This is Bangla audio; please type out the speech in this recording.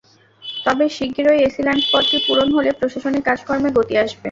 তবে শিগগিরই এসি ল্যান্ড পদটি পূরণ হলে প্রশাসনিক কাজকর্মে গতি আসবে।